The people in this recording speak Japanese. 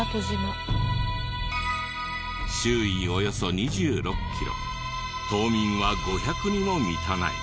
周囲およそ２６キロ島民は５００にも満たない。